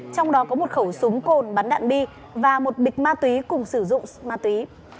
trong đó có một khẩu súng cồn bắn đạn bi và một bịch ma túy cùng sử dụng ma túy